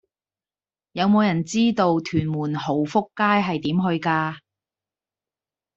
有無人知道屯門浩福街係點去㗎